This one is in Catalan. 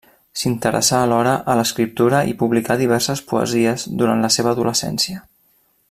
S'interessà alhora a l'escriptura i publicà diverses poesies durant la seva adolescència.